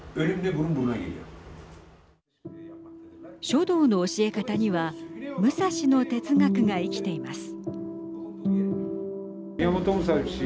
書道の教え方には武蔵の哲学が生きています。